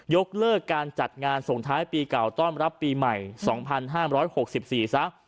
ยกเลิกการจัดงานส่งท้ายปีเก่าต้อนรับปีใหม่๒๕๖๔ซะ